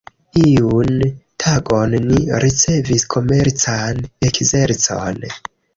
Iun tagon ni ricevis komercan ekzercon.